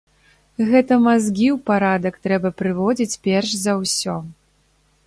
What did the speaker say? Гэта мазгі ў парадак трэба прыводзіць перш за ўсё.